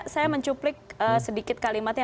saya mencuplik sedikit kalimatnya